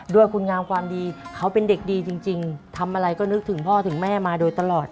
ด้วยคุณงามความดีเขาเป็นเด็กดีจริงทำอะไรก็นึกถึงพ่อถึงแม่มาโดยตลอด